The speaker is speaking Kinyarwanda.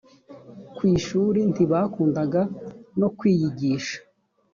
ku ishuri ntibakundaga no kwiyigisha